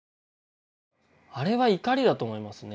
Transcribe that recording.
あれは怒りだと思いますね。